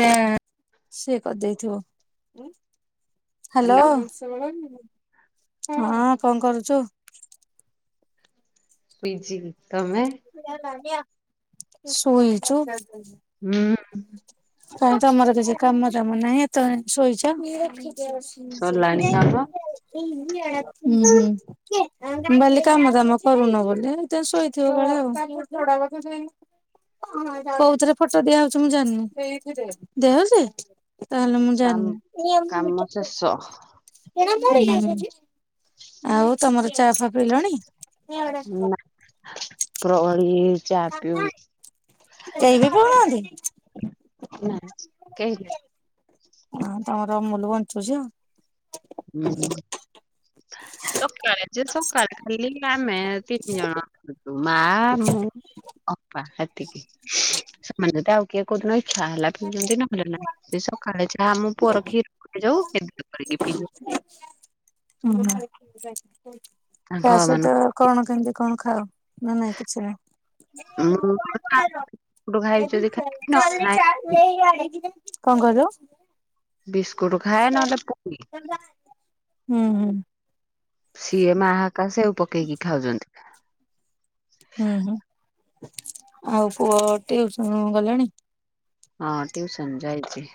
ଯା ସେ କରିଦେଇଥିବ, ହ୍ୟାଲୋ। ପ୍ରଣାମ ମାମ ହଁ କଣ କରୁଛୁ? ପ [unintelligible] ଜି ତମେ? ଶୋଇଚୁ? ହୁଁ। କାଇ ତମର କିଛି କାମ ଦାମ ନାହିଁ ଏତେବେଳ ଜାକେ ଶୋଇଛ? ଉଁ ସରିଲାଣି କାମ ହୁଁ। ମୁଁ ଭାବିଲି କାମ ଧାମ କରୁନ ବଧେ ହେଇଥିପାଇଁ ଶୋଇ [unintelligible] ବଳେ ଆଉ। କୋଉଥିରେ ଫଟୋ ଦିଆ ହଉଛି ମୁଁ ଜାଣିନି। ଦିଆ ହଉଚି? ତାହଲେ ମୁଁ କାମ ଜାଣିନି। କାମ ଶେଷ ଆଉ ତମର ଚାହା ଫାହା ପିଇଲଣି? ଉପରବୁଳି-ଇ-ଇ ଚା ପିଉ। କେହିବି ପିଉନାହାନ୍ତି? ନା କେହିବି ନାଇଁ। [inaudible] ଅ ତମର ଅମୁୁଲୁ ବଞ୍ଚୁଛି ଆଉ। ହୁଁ। ସକାଳେ ଯେ ସକାଳେ ଖାଲି ଆମେ-ଏ ତିନି ଜଣ। ମା-ଆ-ଆ, ମୁଁ, ଅପା ହେତିକି ସ ମାନେ ଟା ଆଉ କିଏ କୋଉଦିନ ଇଛା ହେଲା କି [unintelligible] [unintelligible] ସେ ସକାଳେ ଯାହା ମୋ ପୁଅ ର କ୍ଷୀର ଫୁଟି ଯାଉ [unintelligible] ଉ ହୁଁ ତାଙ୍କ ତା ସହିତ ମାନଙ୍କୁ କଣ କେମିତି କଣ ଖାଅ ନା ନାଇଁ କିଛି ନାହିଁ? ମୁଁ ଫାଷ୍ଟଫୁଡ ଖାଇବି ଯଦି [unintelligible] ଖାଇବି ନହେଲେ ନାହିଁ କଣ କହିଲ? ବିସ୍କୁଟ ଖାଏ ନହେଲେ ପକୁଡି। ହୁଁ। ସିଏ ମା ହେକା ସେଉ ପକେଇକି ଖାଉଛନ୍ତି। ହୁଁ ହୁଁ। ଆଉ ପୁଅ ଟିଉସୁନୁ ଗଲାଣି? ହଁ ଟିଉସନ ଯାଇଚି।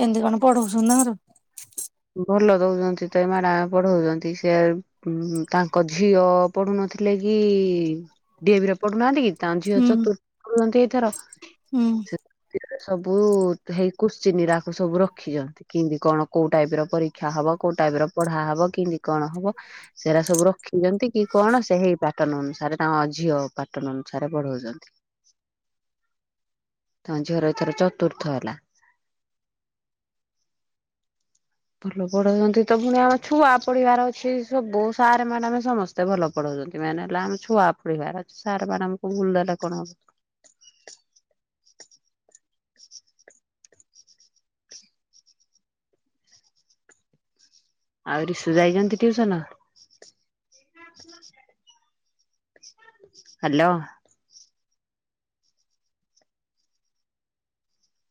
କେମିତି କଣ ପଢଉଛନ୍ତି ତାଙ୍କର? ଭଲ ଦଉଚନ୍ତି ତ ଏ ମାଡାମ ପଢଉଚନ୍ତି ସେ-ଏ-ଏ ଉ-ଉ-ଉ ତାଙ୍କ ଝିଅ-ଅ-ଅ ପଢୁନଥିଲେ କି-ଇ-ଇ-ଇ ଡି ଏ ଭି ରେ ପଢୁନାହାନ୍ତି କି? ତାଙ୍କ ଝିଅ ହୁଁ ଚତୃର୍ଥ ପଢୁଚନ୍ତି ଏଥର ହୁଁ। ସେ ସବୁ-ଉ-ଉ-ଉ ହେଇ କୁସଚିନୀ ଇରାକୁ ସବୁ ରଖିଚନ୍ତି କିନ୍ତି କଣ କୋଉ ଟାଇପ ର ପରୀକ୍ଷା ହବ କୋଉ ଟାଇପ ର ପଢା ହବ କିନ୍ତି କଣ ହବ ସେରା ସବୁ ର ଖୀଛନ୍ତି କି କଣ ସେଇ ପାଟର୍ଣ ଅନୁସାରେ ତାଙ୍କ ଝିଅ ପାଟର୍ଣ ଅନୁସାରେ ପଢଉଛନ୍ତି। ତାଙ୍କ ଝିଅର ଏଥର ଚତୁର୍ଥ ହେଲା। ଭଲ ପଢୁଛନ୍ତି ତ ପୁଣି ଆମ ଛୁଆ ପଢିବାର ଅଛି ସବୁ ସାର୍ ମ୍ୟାଡାମ ସମସ୍ତେ ଏତେ ଭଲ ପଢଉଛନ୍ତି ମେନେ ହେଲା ଆମ ଛୁଆ ପଢିବାର ଅଛି ସାର୍ ମାଡାମ କୁ ଭୁଲ ଦେଲେ କଣ ହବ। [inaudible] ଆଉ ରିିସୁ ଯାଇଚନ୍ତି ଟିଉସନ? [inaudible] ହାଲୋ।